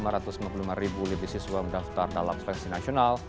lima ratus lima puluh lima ribu lebih siswa mendaftar dalam seleksi nasional